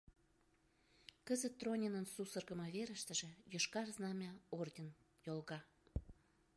Кызыт Тронинын сусыргымо верыштыже Йошкар Знамя орден йолга.